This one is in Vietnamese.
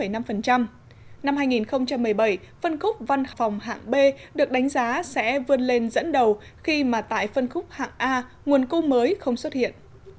năm hai nghìn một mươi bảy phân khúc văn phòng hạng b được đánh giá sẽ vươn lên dẫn đầu khi mà tại phân khúc hạng a nguồn cung mới không xuất hiện